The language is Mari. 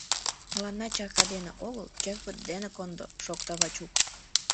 — Мыланна чарка дене огыл, черпыт дене кондо, — шокта Вачук.